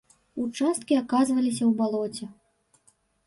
Участкі аказваліся ў балоце.